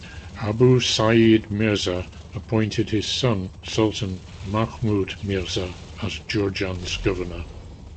Abu Sa'id Mirza appointed his son Sultan Mahmud Mirza as Jurjan's governor.